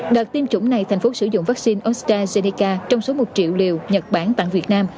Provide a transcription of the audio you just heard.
đợt tiêm chủng này thành phố sử dụng vaccine ostrazeneca trong số một triệu liều nhật bản tặng việt nam